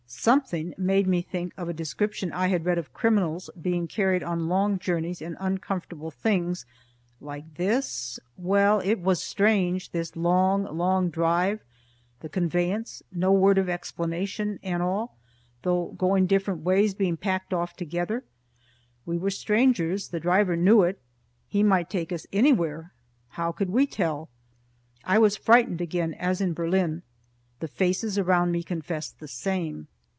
Something made me think of a description I had read of criminals being carried on long journeys in uncomfortable things like this? Well, it was strange this long, long drive, the conveyance, no word of explanation, and all, though going different ways, being packed off together. We were strangers; the driver knew it. He might take us anywhere how could we tell? I was frightened again as in Berlin. The faces around me confessed the same.